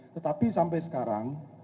tetapi sampai sekarang